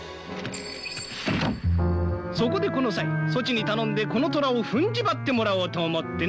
そこでこの際そちに頼んでこのトラをふん縛ってもらおうと思ってな。